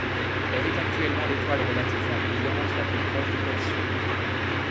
Elle est actuellement l'étoile relativement brillante la plus proche du pôle sud.